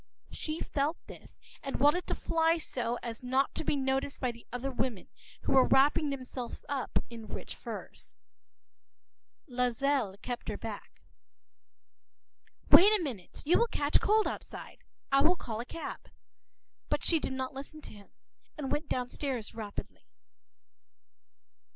She felt this, and wanted to fly so as not to be noticed by the other women, who were wrapping themselves up in rich furs. Loisel kept her back—“Wait a minute; you will catch cold outside; I’ll call a cab.”But she did not listen to him, and went downstairs rapidly.